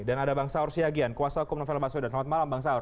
dan ada bang saur syagian kuasa hukum novel baswedan selamat malam bang saur